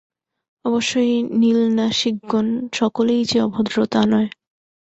অবশ্য এই নীলনাসিকগণ সকলেই যে অভদ্র, তা নয়।